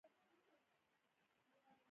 په ملاصاحب باور نه کاوه.